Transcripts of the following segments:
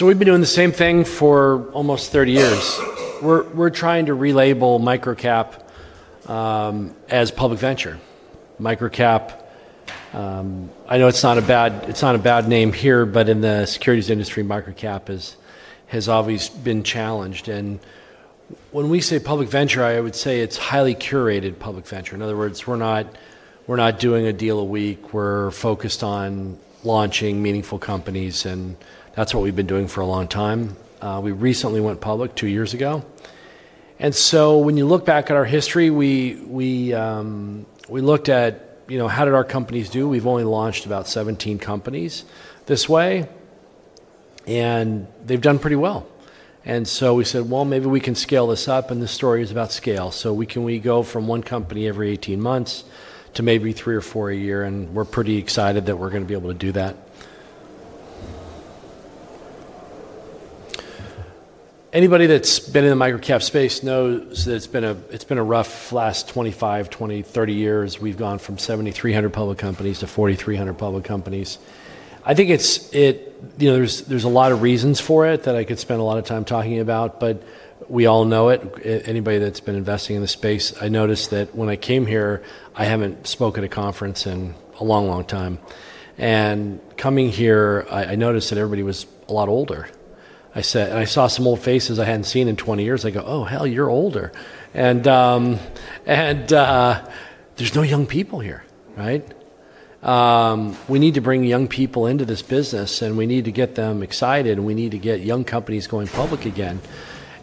We have been doing the same thing for almost 30 years. We are trying to relabel microcap as a public venture. Microcap, I know it's not a bad name here, but in the securities industry, microcap has always been challenged. When we say public venture, I would say it's highly curated public venture. In other words, we are not doing a deal a week. We are focused on launching meaningful companies, and that's what we have been doing for a long time. We recently went public two years ago. When you look back at our history, we looked at how did our companies do. We have only launched about 17 companies this way, and they have done pretty well. We said maybe we can scale this up. This story is about scale. Can we go from one company every 18 months to maybe three or four a year? We are pretty excited that we are going to be able to do that. Anybody that's been in the microcap space knows that it's been a rough last 25, 20, 30 years. We have gone from 7,300 public companies to 4,300 public companies. I think there's a lot of reasons for it that I could spend a lot of time talking about, but we all know it. Anybody that's been investing in the space, I noticed that when I came here, I haven't spoken at a conference in a long, long time. Coming here, I noticed that everybody was a lot older. I saw some old faces I hadn't seen in 20 years. I go, oh, hell, you're older. There's no young people here, right? We need to bring young people into this business, and we need to get them excited, and we need to get young companies going public again.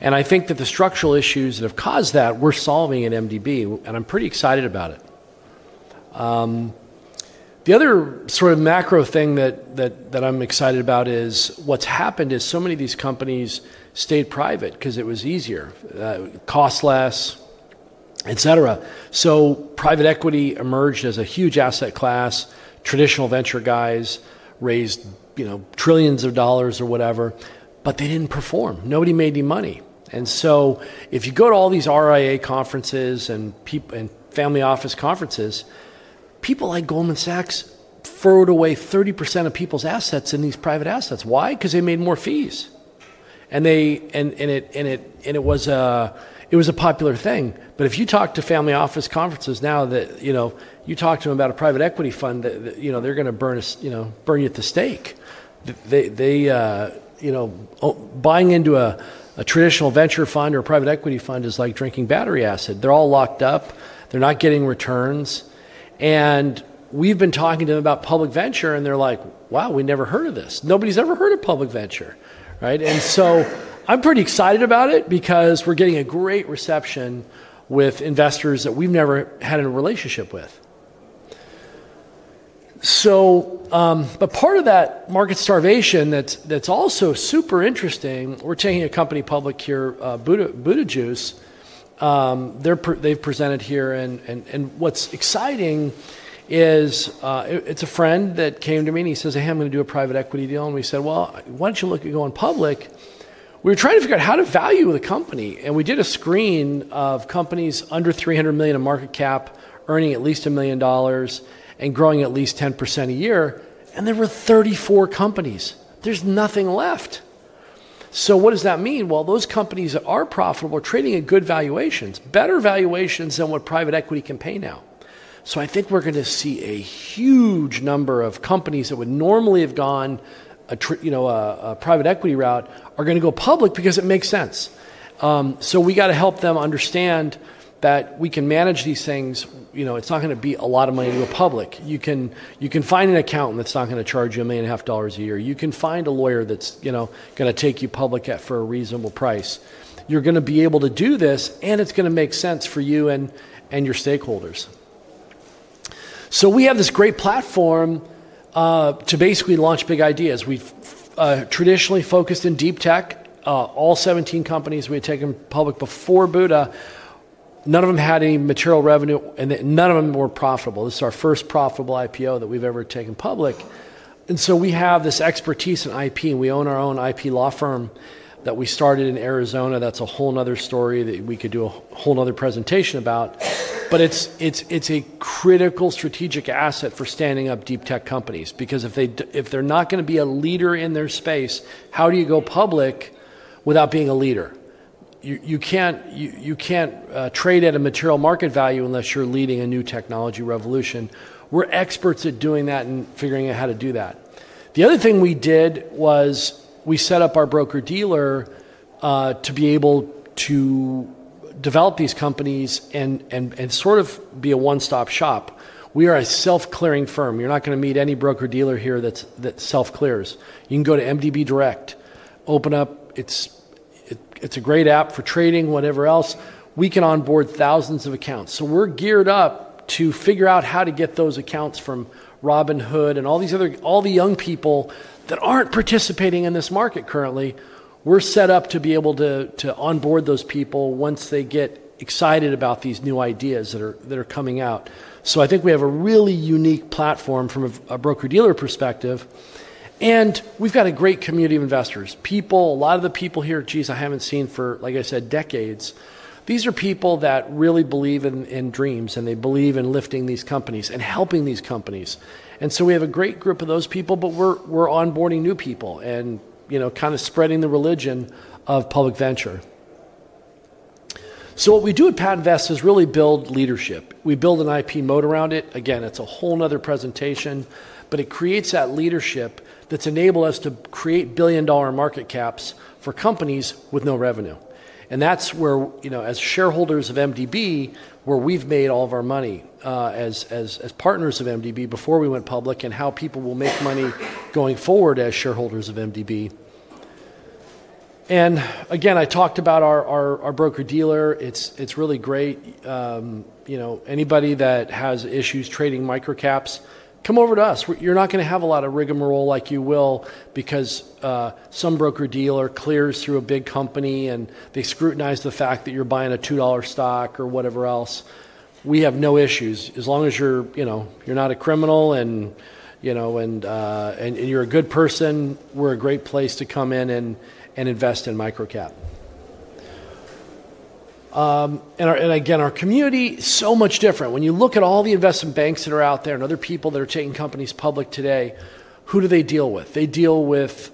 I think that the structural issues that have caused that, we are solving at MDB Capital Holdings, and I'm pretty excited about it. The other sort of macro thing that I'm excited about is what's happened is so many of these companies stayed private because it was easier, cost less, et cetera. Private equity emerged as a huge asset class. Traditional venture guys raised trillions of dollars or whatever, but they didn't perform. Nobody made any money. If you go to all these RIA conferences and family office conferences, people like Goldman Sachs furrowed away 30% of people's assets in these private assets. Why? Because they made more fees. It was a popular thing. If you talk to family office conferences now that you talk to them about a private equity fund, they're going to burn you at the stake. Buying into a traditional venture fund or a private equity fund is like drinking battery acid. They're all locked up. They're not getting returns. We've been talking to them about public venture, and they're like, wow, we never heard of this. Nobody's ever heard of public venture. I'm pretty excited about it because we're getting a great reception with investors that we've never had a relationship with. Part of that market starvation that's also super interesting, we're taking a company public here, Buddha Juice. They've presented here. What's exciting is it's a friend that came to me and he says, hey, I'm going to do a private equity deal. We said, why don't you look at going public? We were trying to figure out how to value the company. We did a screen of companies under $300 million in market cap earning at least $1 million and growing at least 10% a year. There were 34 companies. There's nothing left. What does that mean? Those companies that are profitable are trading at good valuations, better valuations than what private equity can pay now. I think we're going to see a huge number of companies that would normally have gone a private equity route are going to go public because it makes sense. We got to help them understand that we can manage these things. It's not going to be a lot of money to go public. You can find an accountant that's not going to charge you $1.5 million a year. You can find a lawyer that's going to take you public for a reasonable price. You're going to be able to do this, and it's going to make sense for you and your stakeholders. We have this great platform to basically launch big ideas. We've traditionally focused in deep tech. All 17 companies we had taken public before Buddha Juice, none of them had any material revenue, and none of them were profitable. This is our first profitable IPO that we've ever taken public. We have this expertise in IP, and we own our own IP law firm that we started in Arizona. That's a whole other story that we could do a whole other presentation about. It's a critical strategic asset for standing up deep tech companies. If they're not going to be a leader in their space, how do you go public without being a leader? You can't trade at a material market value unless you're leading a new technology revolution. We're experts at doing that and figuring out how to do that. The other thing we did was we set up our broker-dealer to be able to develop these companies and sort of be a one-stop shop. We are a self-clearing firm. You're not going to meet any broker-dealer here that self-clears. You can go to MDB Direct, open up. It's a great app for trading, whatever else. We can onboard thousands of accounts. We're geared up to figure out how to get those accounts from Robinhood and all the young people that aren't participating in this market currently. We're set up to be able to onboard those people once they get excited about these new ideas that are coming out. I think we have a really unique platform from a broker-dealer perspective. We've got a great community of investors. A lot of the people here, jeez, I haven't seen for, like I said, decades. These are people that really believe in dreams, and they believe in lifting these companies and helping these companies. We have a great group of those people, but we're onboarding new people and kind of spreading the religion of public venture. What we do at PatentVest is really build leadership. We build an IP moat around it. Again, it's a whole other presentation, but it creates that leadership that's enabled us to create billion-dollar market caps for companies with no revenue. That's where, as shareholders of MDB Capital Holdings, we've made all of our money as partners of MDB before we went public and how people will make money going forward as shareholders of MDB. Again, I talked about our broker-dealer. It's really great. Anybody that has issues trading microcap, come over to us. You're not going to have a lot of rigmarole like you will because some broker-dealer clears through a big company, and they scrutinize the fact that you're buying a $2 stock or whatever else. We have no issues. As long as you're not a criminal and you're a good person, we're a great place to come in and invest in microcap. Our community is so much different. When you look at all the investment banks that are out there and other people that are taking companies public today, who do they deal with? They deal with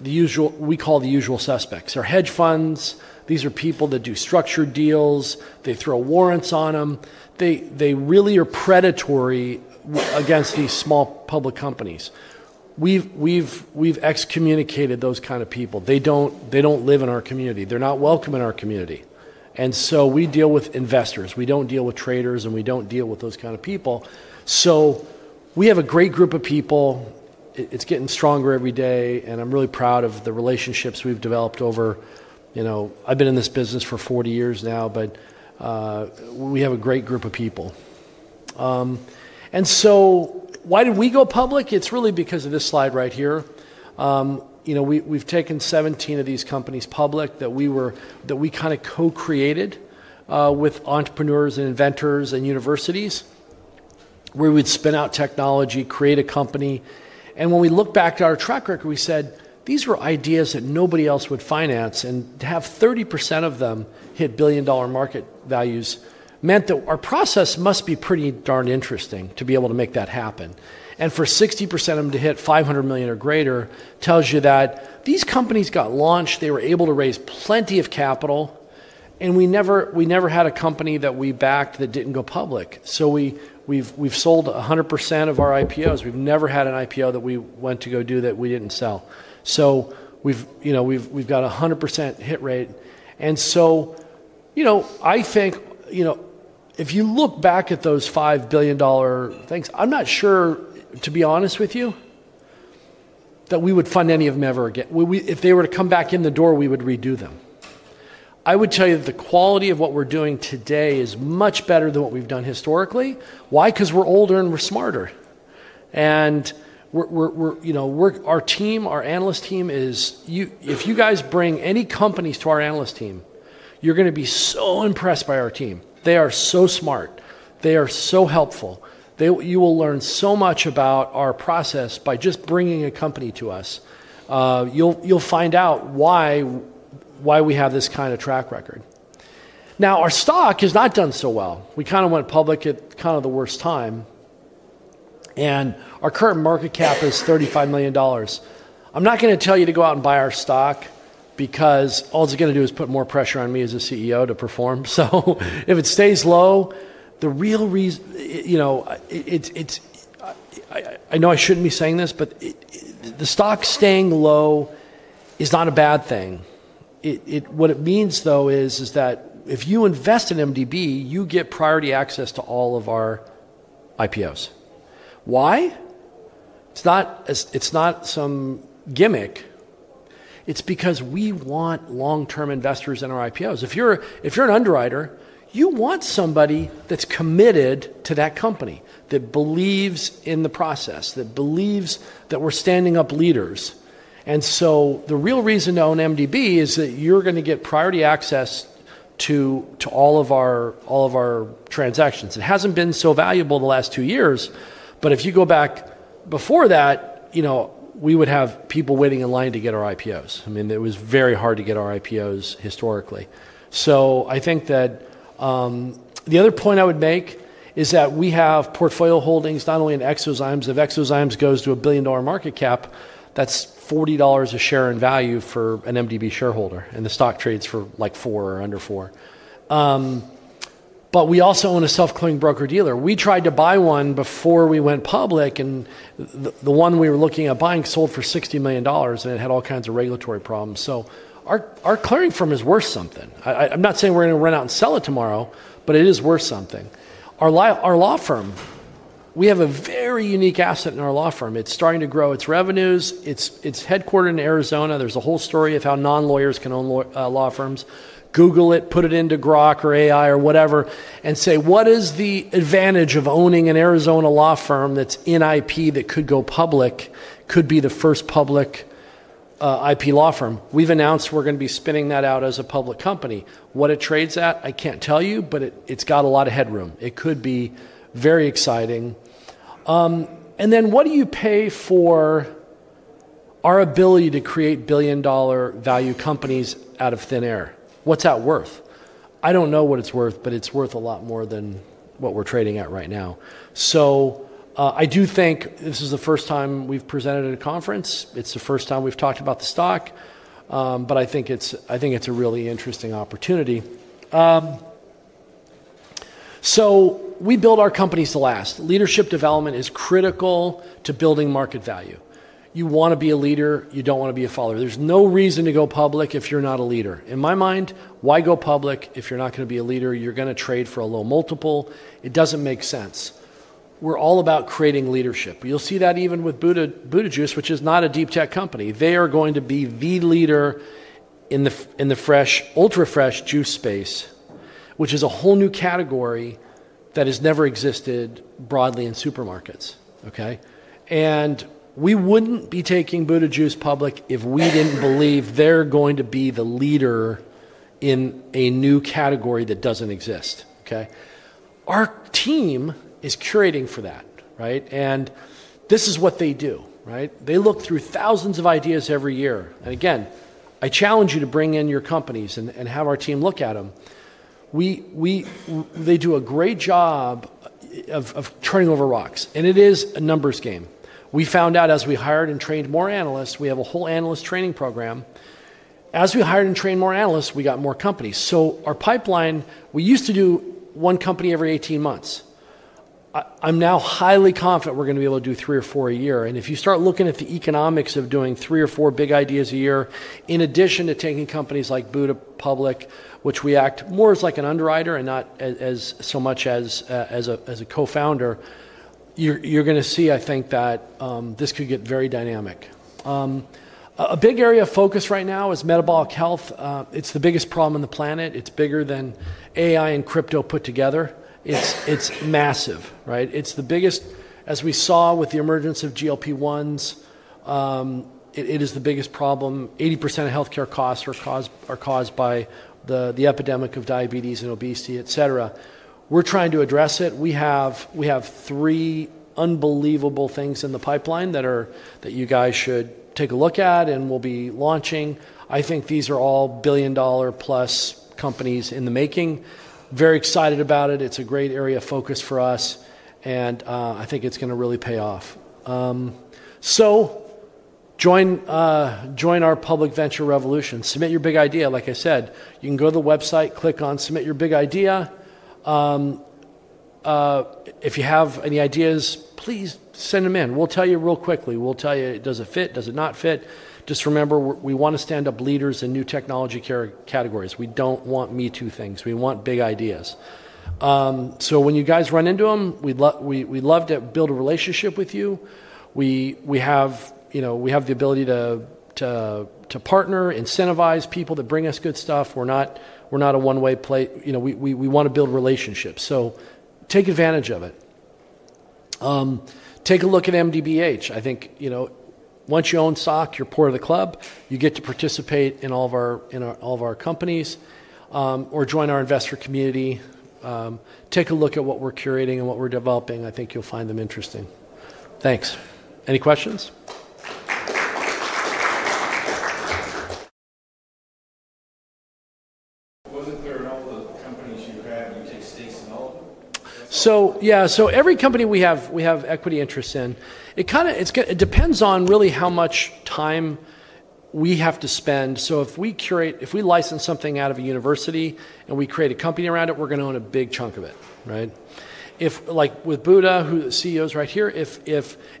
the usual, we call the usual suspects. They're hedge funds. These are people that do structured deals. They throw warrants on them. They really are predatory against these small public companies. We've excommunicated those kind of people. They don't live in our community. They're not welcome in our community. We deal with investors. We don't deal with traders, and we don't deal with those kind of people. We have a great group of people. It's getting stronger every day, and I'm really proud of the relationships we've developed over. I've been in this business for 40 years now, but we have a great group of people. Why did we go public? It's really because of this slide right here. We've taken 17 of these companies public that we kind of co-created with entrepreneurs and inventors and universities where we'd spin out technology, create a company. When we look back at our track record, we said these were ideas that nobody else would finance. To have 30% of them hit billion-dollar market values meant that our process must be pretty darn interesting to be able to make that happen. For 60% of them to hit $500 million or greater tells you that these companies got launched. They were able to raise plenty of capital. We never had a company that we backed that didn't go public. We've sold 100% of our IPOs. We've never had an IPO that we went to go do that we didn't sell. We've got a 100% hit rate. If you look back at those $5 billion things, I'm not sure, to be honest with you, that we would fund any of them ever again. If they were to come back in the door, we would redo them. I would tell you that the quality of what we're doing today is much better than what we've done historically. Why? Because we're older and we're smarter. Our team, our analyst team, if you guys bring any companies to our analyst team, you're going to be so impressed by our team. They are so smart. They are so helpful. You will learn so much about our process by just bringing a company to us. You'll find out why we have this kind of track record. Our stock has not done so well. We kind of went public at kind of the worst time. Our current market cap is $35 million. I'm not going to tell you to go out and buy our stock because all it's going to do is put more pressure on me as a CEO to perform. If it stays low, I know I shouldn't be saying this, but the stock staying low is not a bad thing. What it means, though, is that if you invest in MDB, you get priority access to all of our IPOs. Why? It's not some gimmick. It's because we want long-term investors in our IPOs. If you're an underwriter, you want somebody that's committed to that company, that believes in the process, that believes that we're standing up leaders. The real reason to own MDB is that you're going to get priority access to all of our transactions. It hasn't been so valuable the last two years, but if you go back before that, we would have people waiting in line to get our IPOs. I mean, it was very hard to get our IPOs historically. I think that the other point I would make is that we have portfolio holdings not only in eXoZymes. If eXoZymes goes to a billion-dollar market cap, that's $40 a share in value for an MDB shareholder, and the stock trades for like $4 or under $4. We also own a self-clearing broker-dealer. We tried to buy one before we went public, and the one we were looking at buying sold for $60 million, and it had all kinds of regulatory problems. Our clearing firm is worth something. I'm not saying we're going to run out and sell it tomorrow, but it is worth something. Our law firm, we have a very unique asset in our law firm. It's starting to grow its revenues. It's headquartered in Arizona. There's a whole story of how non-lawyers can own law firms. Google it, put it into Grok or AI or whatever, and say, what is the advantage of owning an Arizona law firm that's in IP that could go public, could be the first public IP law firm? We've announced we're going to be spinning that out as a public company. What it trades at, I can't tell you, but it's got a lot of headroom. It could be very exciting. What do you pay for our ability to create billion-dollar value companies out of thin air? What's that worth? I don't know what it's worth, but it's worth a lot more than what we're trading at right now. I do think this is the first time we've presented at a conference. It's the first time we've talked about the stock, but I think it's a really interesting opportunity. We build our companies to last. Leadership development is critical to building market value. You want to be a leader. You don't want to be a follower. There's no reason to go public if you're not a leader. In my mind, why go public if you're not going to be a leader? You're going to trade for a low multiple. It doesn't make sense. We're all about creating leadership. You'll see that even with Buddha Juice, which is not a deep tech company. They are going to be the leader in the ultra-fresh juice space, which is a whole new category that has never existed broadly in supermarkets. We wouldn't be taking Buda Juice public if we didn't believe they're going to be the leader in a new category that doesn't exist. Our team is curating for that. This is what they do. They look through thousands of ideas every year. I challenge you to bring in your companies and have our team look at them. They do a great job of turning over rocks. It is a numbers game. We found out as we hired and trained more analysts, we have a whole analyst training program. As we hired and trained more analysts, we got more companies. Our pipeline, we used to do one company every 18 months. I'm now highly confident we're going to be able to do three or four a year. If you start looking at the economics of doing three or four big ideas a year, in addition to taking companies like Buda public, which we act more as like an underwriter and not so much as a co-founder, you're going to see, I think, that this could get very dynamic. A big area of focus right now is metabolic health. It's the biggest problem on the planet. It's bigger than AI and crypto put together. It's massive. As we saw with the emergence of GLP-1s, it is the biggest problem. 80% of health care costs are caused by the epidemic of diabetes and obesity, etc. We're trying to address it. We have three unbelievable things in the pipeline that you guys should take a look at and will be launching. I think these are all billion-dollar plus companies in the making. Very excited about it. It's a great area of focus for us. I think it's going to really pay off. Join our public venture revolution. Submit your big idea. Like I said, you can go to the website, click on Submit Your Big Idea. If you have any ideas, please send them in. We'll tell you real quickly. We'll tell you, does it fit? Does it not fit? Just remember, we want to stand up leaders in new technology categories. We don't want me-too things. We want big ideas. When you guys run into them, we'd love to build a relationship with you. We have the ability to partner, incentivize people that bring us good stuff. We're not a one-way plate. We want to build relationships. Take advantage of it. Take a look at MDBH. I think once you own SOC, you're part of the club. You get to participate in all of our companies or join our investor community. Take a look at what we're curating and what we're developing. I think you'll find them interesting. Thanks. Any questions? Wasn't there, in all the companies you had, you take stakes in all of them? Every company we have equity interests in. It depends on really how much time we have to spend. If we license something out of a university, and we create a company around it, we're going to own a big chunk of it. Like with Buda, who the CEO is right here,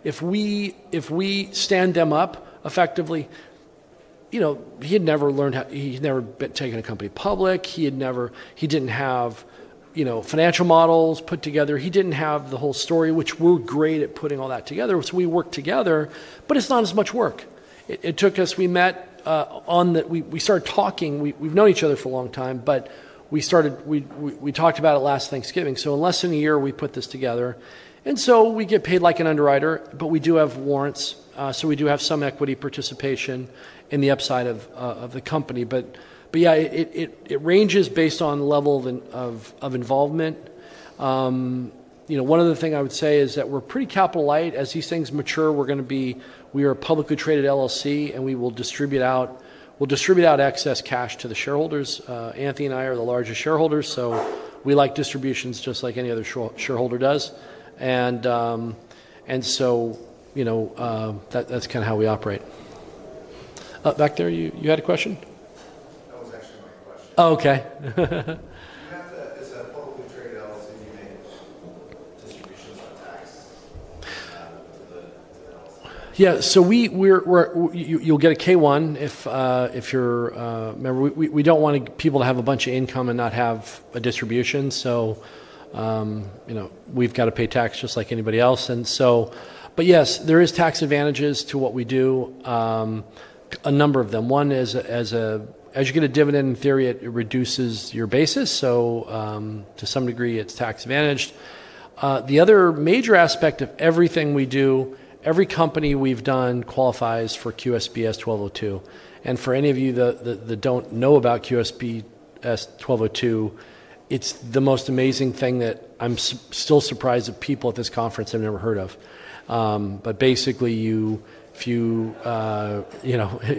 if we stand them up effectively, he had never learned how, he'd never taken a company public. He didn't have financial models put together. He didn't have the whole story, which we're great at putting all that together. We work together, but it's not as much work. We met on that, we started talking. We've known each other for a long time, but we talked about it last Thanksgiving. In less than a year, we put this together. We get paid like an underwriter, but we do have warrants. We do have some equity participation in the upside of the company. It ranges based on the level of involvement. One other thing I would say is that we're pretty capital-light. As these things mature, we are a publicly traded LLC, and we will distribute out excess cash to the shareholders. Anthony and I are the largest shareholders. We like distributions just like any other shareholder does. That's kind of how we operate. Back there, you had a question? That was actually my question. Oh, OK. As a publicly traded LLC, do you pay distributions on tax? Yeah, so you'll get a K-1 if you're a member. We don't want people to have a bunch of income and not have a distribution. We've got to pay tax just like anybody else. Yes, there are tax advantages to what we do, a number of them. One, as you get a dividend, in theory, it reduces your basis. To some degree, it's tax advantaged. The other major aspect of everything we do, every company we've done qualifies for QSBS 1201. For any of you that don't know about QSBS 1201, it's the most amazing thing that I'm still surprised that people at this conference have never heard of.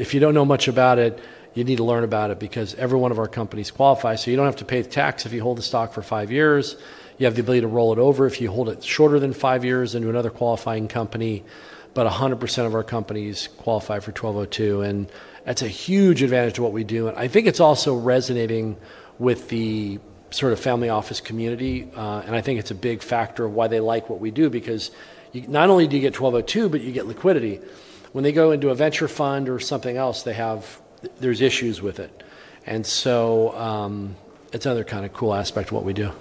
If you don't know much about it, you need to learn about it because every one of our companies qualifies. You don't have to pay the tax. If you hold the stock for five years, you have the ability to roll it over. If you hold it shorter than five years, then you're another qualifying company. 100% of our companies qualify for 1201. That's a huge advantage to what we do. I think it's also resonating with the sort of family office community. I think it's a big factor of why they like what we do because not only do you get 1201, but you get liquidity. When they go into a venture fund or something else, there's issues with it. It's another kind of cool aspect of what we do.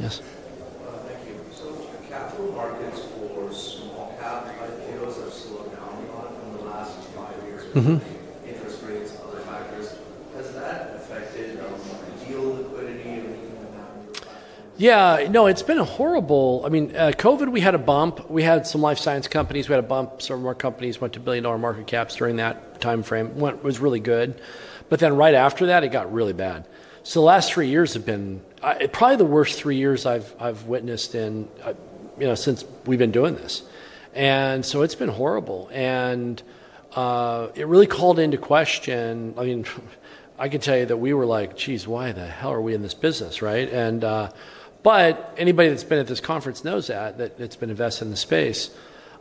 Yes? Thank you. The capital markets for small cap IPOs have slowed down a lot in the last five years because of interest rates, other factors. Has that affected deal liquidity or anything like that on your platform? Yeah, no, it's been horrible. I mean, COVID, we had a bump. We had some life science companies. We had a bump. Several more companies went to billion-dollar market caps during that time frame. It was really good. Right after that, it got really bad. The last three years have been probably the worst three years I've witnessed since we've been doing this. It's been horrible. It really called into question, I mean, I can tell you that we were like, jeez, why the hell are we in this business? Anybody that's been at this conference knows that, that's been invested in the space.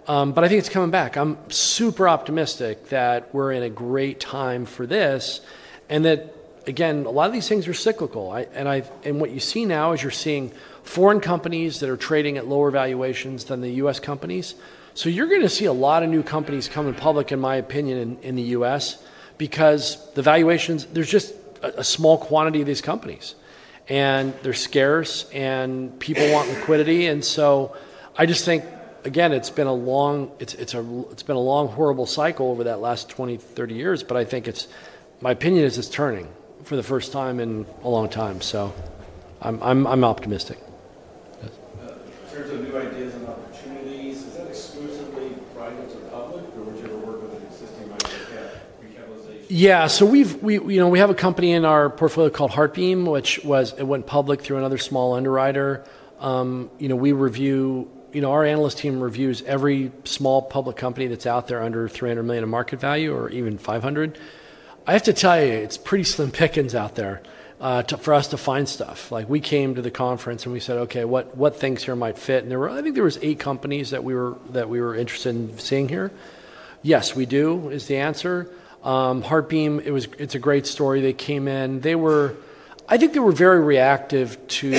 I think it's coming back. I'm super optimistic that we're in a great time for this. Again, a lot of these things are cyclical. What you see now is you're seeing foreign companies that are trading at lower valuations than the U.S. companies. You're going to see a lot of new companies coming public, in my opinion, in the U.S. because there's just a small quantity of these companies. They're scarce, and people want liquidity. I just think, again, it's been a long horrible cycle over that last 20, 30 years. I think my opinion is it's turning for the first time in a long time. I'm optimistic. In terms of new ideas and opportunities, is that exclusively prior to public, or would you ever work with an existing microcap recapitalization? Yeah, so we have a company in our portfolio called HeartBeam, which went public through another small underwriter. Our analyst team reviews every small public company that's out there under $300 million in market value or even $500 million. I have to tell you, it's pretty slim pickings out there for us to find stuff. We came to the conference, and we said, OK, what things here might fit? I think there were eight companies that we were interested in seeing here. Yes, we do is the answer. HeartBeam, it's a great story. They came in. I think they were very reactive to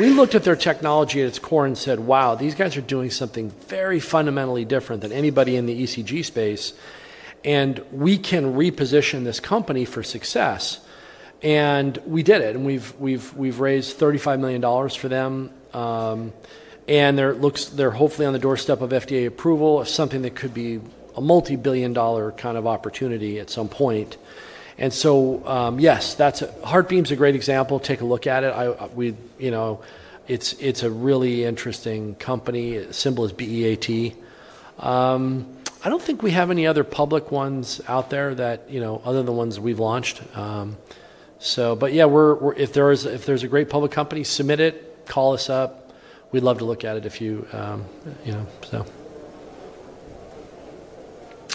we looked at their technology at its core and said, wow, these guys are doing something very fundamentally different than anybody in the ECG space. We can reposition this company for success. We did it. We've raised $35 million for them. They're hopefully on the doorstep of FDA approval of something that could be a multi-billion dollar kind of opportunity at some point. Yes, HeartBeam is a great example. Take a look at it. It's a really interesting company. The symbol is BEAT. I don't think we have any other public ones out there other than the ones we've launched. If there's a great public company, submit it. Call us up. We'd love to look at it if you.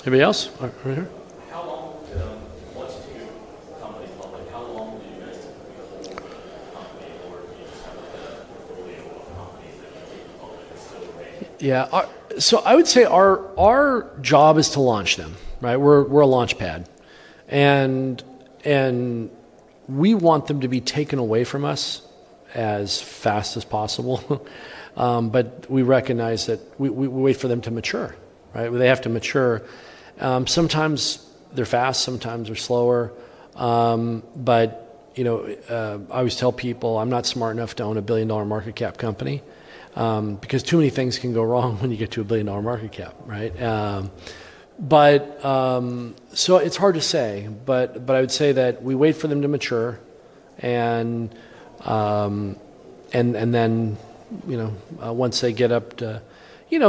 Anybody else? How long once you do company public, how long do you guys typically hold the company? Or do you just have like a portfolio of companies that you take public and still remain? Yeah, I would say our job is to launch them. We're a launch pad, and we want them to be taken away from us as fast as possible. We recognize that we wait for them to mature. They have to mature. Sometimes they're fast, sometimes they're slower. I always tell people I'm not smart enough to own a billion-dollar market cap company because too many things can go wrong when you get to a billion-dollar market cap. It's hard to say. I would say that we wait for them to mature, and then once they get up to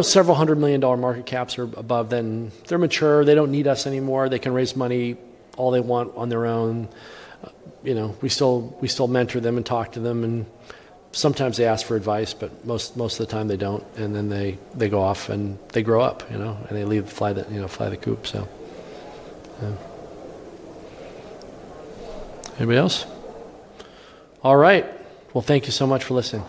several hundred million dollar market caps or above, they're mature. They don't need us anymore. They can raise money all they want on their own. We still mentor them and talk to them, and sometimes they ask for advice, but most of the time they don't. They go off, they grow up, and they leave the fly the coop. Anybody else? All right, thank you so much for listening.